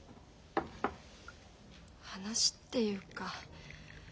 話っていうか。